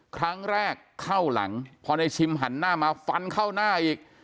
ครั้งแรกเข้าหลังพอในชิมหันหน้ามาฟันเข้าหน้าอีก